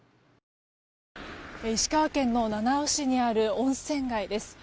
石川県の七尾市にある温泉街です。